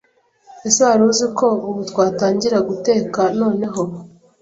Ese waruziko ubu twatangira guteka noneho